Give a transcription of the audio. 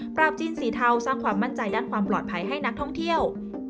จีนสีเทาสร้างความมั่นใจด้านความปลอดภัยให้นักท่องเที่ยว